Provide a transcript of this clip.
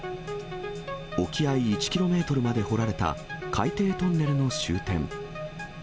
沖合１キロメートルまで掘られた海底トンネルの終点。